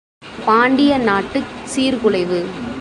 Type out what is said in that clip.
பாண்டிய நாட்டுச் சீர்குலைவு.